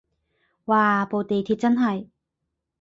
嘩部地鐵真係